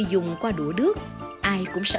dùng qua đũa đước ai cũng sẽ